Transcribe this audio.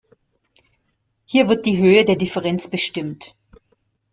Hier wird die Höhe der Differenz bestimmt.